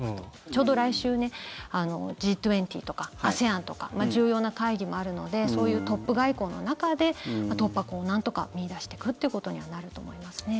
ちょうど来週ねＧ２０とかＡＳＥＡＮとか重要な会議もあるのでそういうトップ外交の中で突破口をなんとか見いだしていくっていうことにはなると思いますね。